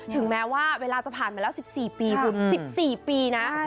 ถึงแม้ว่าเวลาจะผ่านมาแล้ว๑๔ปีคุณ๑๔ปีนะ